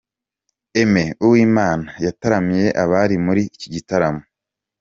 Aime Uwimana yataramiye abari muri iki gitaramo.